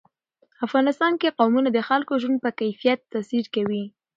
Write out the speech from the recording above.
افغانستان کې قومونه د خلکو د ژوند په کیفیت تاثیر کوي.